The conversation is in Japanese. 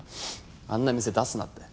あんな店出すなって。